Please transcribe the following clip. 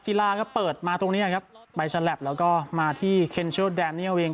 ลาก็เปิดมาตรงเนี้ยครับใบฉลับแล้วก็มาที่เคนเชิลแดเนียลเอง